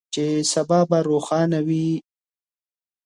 چې سبا به روښانه وي.